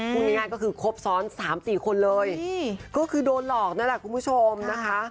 พูดง่ายก็คือครบซ้อน๓๔คนเลยก็คือโดนหลอกนั่นแหละคุณผู้ชมนะคะ